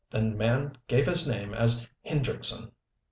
The man gave his name as Hendrickson.